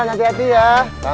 yaa pelan dua hati dua yaa